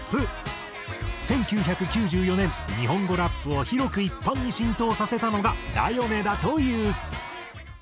１９９４年日本語ラップを広く一般に浸透させたのが『ＤＡ．ＹＯ．ＮＥ』だという。